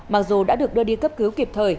mặc dù đã được đưa đi cấp cứu kịp thời